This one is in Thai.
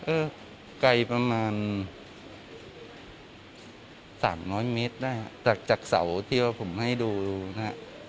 เอ่อไกลประมาณสามน้อยเมตรได้จากจักรเสาที่ว่าผมให้ดูนะฮะ